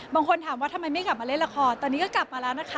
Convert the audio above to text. บางคนถามว่าทำไมไม่กลับมาเล่นละครตอนนี้ก็กลับมาแล้วนะคะ